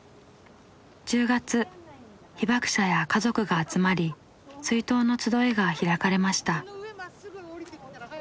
１０月被爆者や家族が集まり追悼の集いが開かれました。